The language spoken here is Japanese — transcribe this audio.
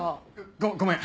ごごめん。